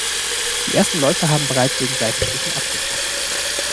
Die ersten Läufer haben bereits wegen Seitenstichen abgebrochen.